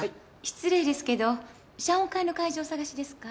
失礼ですけど謝恩会の会場お探しですか？